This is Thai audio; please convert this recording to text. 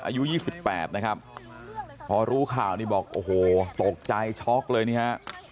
อายุ๒๘นะครับพอรู้ข่าวนี่บอกโอ้โหตกใจช็อกเลยนี่ฮะ